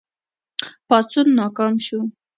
پاڅون ناکام شو.